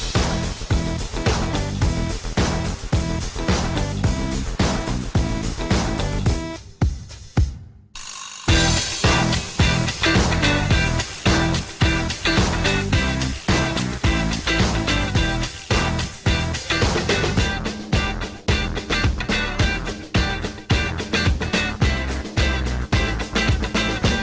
ถ้าไม่อยากพลาดความอร่อยเหล่านี้เส้นหน้ากินเจ๊ะหมอ